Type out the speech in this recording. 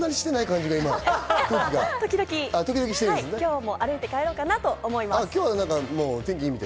今日も歩いて帰ろうかなと思います。